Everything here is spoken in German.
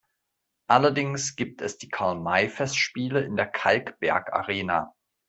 Allerdings gibt es die Karl-May-Festspiele in der Kalkbergarena.